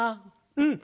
うん。